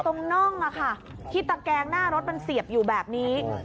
น่องที่ตะแกงหน้ารถมันเสียบอยู่แบบนี้